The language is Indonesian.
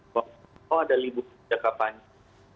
kalau ada ribu jangka panjang